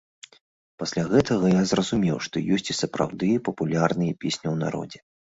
Пасля гэтага я зразумеў, што ёсць і сапраўды папулярныя песні ў народзе.